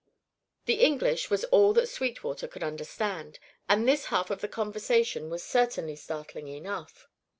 The English was all that Sweetwater could understand, and this half of the conversation was certainly startling enough.